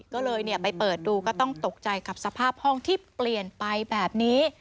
ก็เลยไปเปิดดูก็ต้องตกใจกับสภาพห้องที่เปลี่ยนไปแบบนี้